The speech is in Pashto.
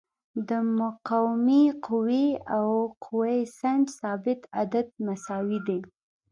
د مقاومې قوې او قوه سنج ثابت عدد مساوي دي.